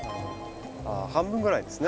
あ半分ぐらいですね。